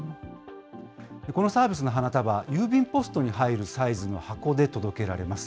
このサービスの花束は、郵便ポストに入るサイズの箱で届けられます。